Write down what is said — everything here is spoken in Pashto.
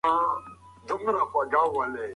تاوانونه مې د خپل ځان د پیاوړي کولو لپاره وکارول.